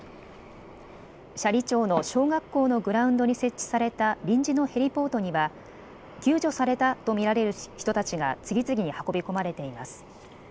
斜里町の小学校のグラウンドに設置された臨時のヘリポートには救助されたと見られる人たちが次々に運び込まれています。